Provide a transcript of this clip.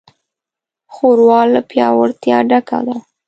ښوروا له پیاوړتیا ډکه ده.